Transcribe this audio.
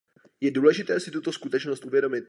Je důležité si tuto skutečnost uvědomit.